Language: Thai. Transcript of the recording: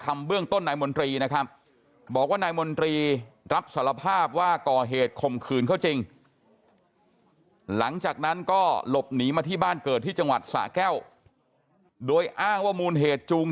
เมื่อกี้เนี่ยคุยกับลูกชายแล้วว่าไงบ้าง